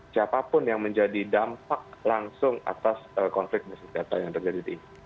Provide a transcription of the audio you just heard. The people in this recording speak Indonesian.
siapapun yang menjadi dampak langsung atas konflik misalnya yang terjadi di bipo